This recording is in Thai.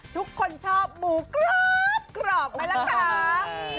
ทุกคนชอบหมูกรอบกรอบไปแล้วค่ะ